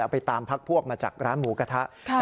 ไปตามพักพวกมาจากร้านหมูกระทะ